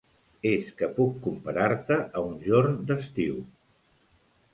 És que puc comparar-te a un jorn d'estiu,